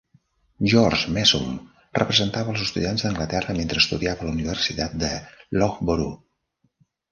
George Messum representava els estudiants d'Anglaterra mentre estudiava a la Universitat de Loughborough.